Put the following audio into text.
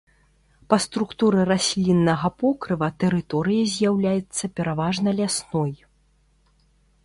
Па структуры расліннага покрыва тэрыторыя з'яўляецца пераважна лясной.